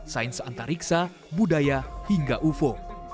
sains antariksa budaya hingga ufo